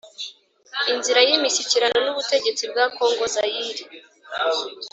Inzira y imishyikirano n ubutegetsi bwa kongo Zaire